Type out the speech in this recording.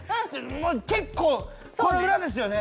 結構この裏ですよね？